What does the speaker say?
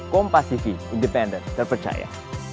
kompas tv independen terpercaya